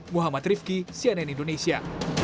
muhammad rifqi cnn indonesia